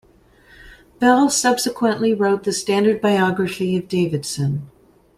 Bell subsequently wrote the standard biography of Davidson.